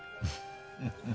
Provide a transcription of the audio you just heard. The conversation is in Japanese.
フフフフ。